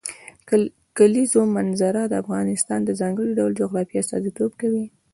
د کلیزو منظره د افغانستان د ځانګړي ډول جغرافیه استازیتوب کوي.